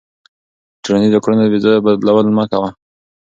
د ټولنیزو کړنو بېځایه بدلول مه کوه.